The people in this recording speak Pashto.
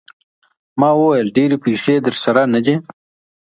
ما وویل ډېرې پیسې درسره نه دي.